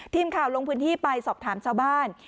ทีมข่าวลงพื้นที่ไปสอบถามชาวบ้าน